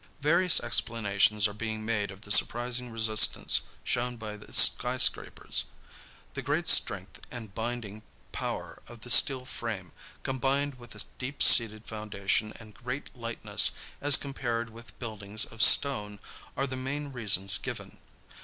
Various explanations are being made of the surprising resistance shown by the skyscrapers. The great strength and binding power of the steel frame, combined with a deep seated foundation and great lightness as compared with buildings of stone, are the main reasons given.